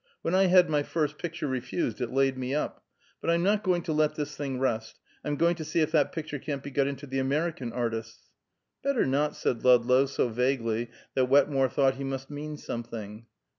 When I had my first picture refused, it laid me up. But I'm not going to let this thing rest. I'm going to see if that picture can't be got into the American Artists'." "Better not," said Ludlow so vaguely that Wetmore thought he must mean something.